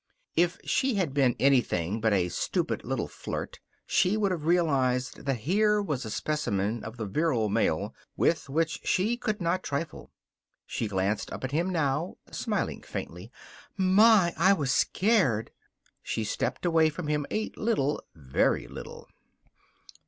If she had been anything but a stupid little flirt, she would have realized that here was a specimen of the virile male with which she could not trifle. She glanced up at him now, smiling faintly. "My, I was scared!" She stepped away from him a little very little.